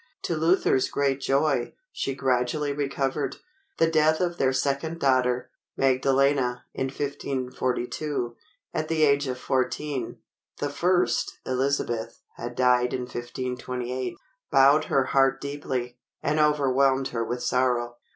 To Luther's great joy, she gradually recovered. The death of their second daughter, Magdalena, in 1542, at the age of fourteen—the first, Elizabeth, had died in 1528—bowed her heart deeply, and overwhelmed her with sorrow.